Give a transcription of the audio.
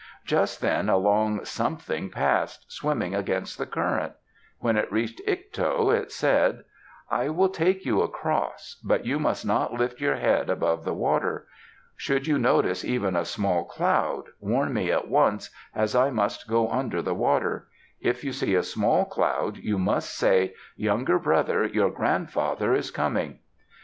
Just then a long Something passed, swimming against the current. When it reached Ikto, it said, "I will take you across, but you must not lift your head above the water. Should you notice even a small cloud, warn me at once, as I must go under the water. If you see a small cloud, you must say, 'Younger brother, your grandfather is coming.'"